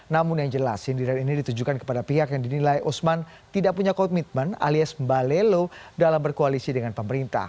namun yang jelas sindiran ini ditujukan kepada pihak yang dinilai usman tidak punya komitmen alias balelo dalam berkoalisi dengan pemerintah